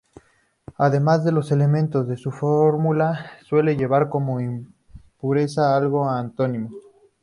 Además de los elementos de su fórmula, suele llevar como impureza algo de antimonio.